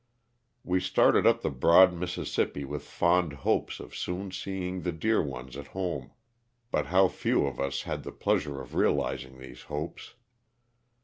Wo started up the broad Mississippi with fond hopes of soon seeing the dear ones at home, but how few of us had the pleasure of realizing these hopes.